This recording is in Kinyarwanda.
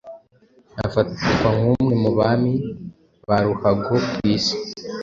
afatwa nk’umwe mu bami ba ruhago ku Isi